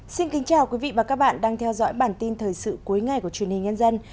chào mừng quý vị đến với bản tin thời sự cuối ngày của chuyên hình nhân dân